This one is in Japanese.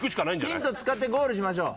ヒント使ってゴールしましょう。